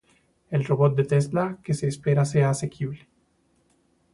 el robot de Tesla que se espera sea asequible